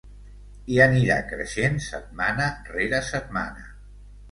I anirà creixent setmana rere setmana.